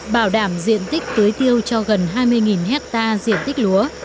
bảo đảm diện tích tưới tiêu cho gần hai mươi hectare diện tích lúa